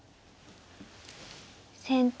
先手